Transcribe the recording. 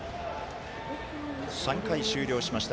３回終了しました